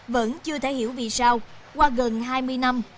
vẫn chưa thể hiểu vì sao qua gần hai mươi năm